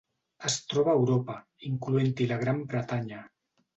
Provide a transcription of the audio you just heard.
Es troba a Europa, incloent-hi la Gran Bretanya.